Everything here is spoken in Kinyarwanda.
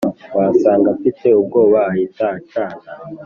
wasaga mfite ubwoba ahita acana